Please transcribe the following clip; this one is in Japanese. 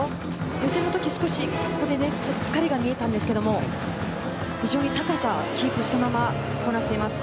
予選の時、少しここでちょっと疲れが見えたんですけど非常に高さをキープしたままこなしています。